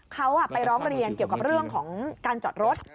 เขาไปร้องเรียนเกี่ยวกับเรื่องของการจอดรถ